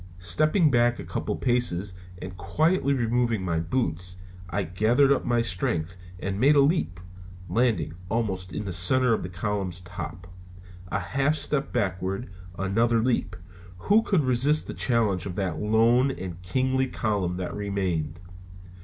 Stepping back a couple of paces and quietly removing my boots, I gathered up my strength and made a leap, landing almost in the center of the column's top. A half step backward, another leap who could resist the challenge of that lone and kingly column that remained?